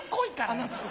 あなたが。